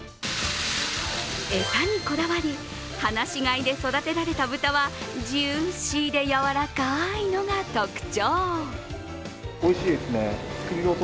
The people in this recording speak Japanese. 餌にこだわり、放し飼いで育てられた豚はジューシーでやわらかいのが特徴。